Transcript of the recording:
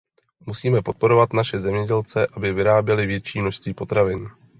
Musíme podporovat naše zemědělce, aby vyráběli větší množství potravin.